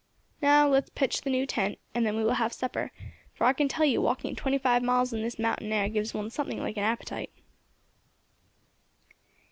Now let's pitch the new tent, and then we will have supper, for I can tell you walking twenty five miles in this mountain air gives one something like an appetite."